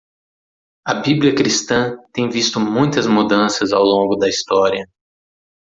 A bíblia cristã tem visto muitas mudanças ao longo da história.